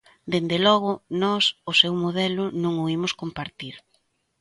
Dende logo, nós o seu modelo non o imos compartir.